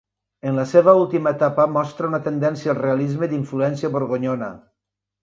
En la seva última etapa mostra una tendència al realisme d'influència borgonyona.